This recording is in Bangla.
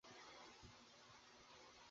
মাত্রই তো আগের টাকে ভাগালাম।